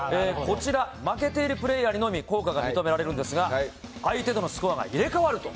負けているプレーヤーにのみ効果が認められますが相手とのスコアが入れ替わると。